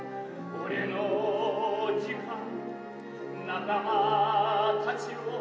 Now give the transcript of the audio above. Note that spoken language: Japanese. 「俺の時間仲間たちを」